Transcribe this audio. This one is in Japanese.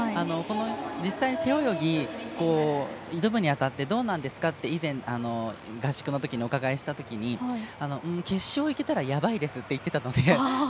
実際、背泳ぎに挑むにあたってどうなんですかって以前、合宿のときにお伺いしたときに決勝いけたらやばいですって言ってたので。